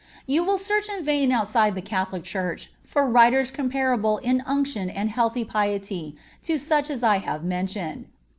You will search in vain outside the Catholic Church for writers comparable in unction and healthy piety to such as I have mentioned.